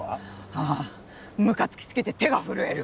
あぁムカつき過ぎて手が震える。